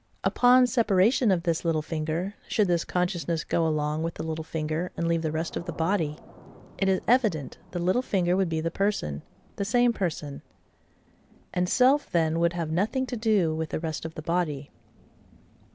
Upon separation of this little finger, should this consciousness go along with the little finger, and leave the rest of the body, it is evident the little finger would be the person, the same person; and self then would have nothing to do with the rest of the body.